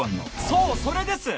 そうそれです！